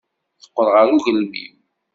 Teqqel ɣer ugelmim.